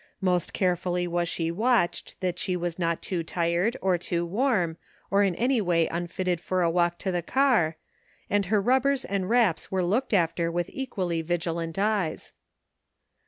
Most carefully was she watched that she was not too tired, or too warm, or in any way unfitted for a walk to the car, and her rubbers and wraps were looked after with equally vigilant eyes.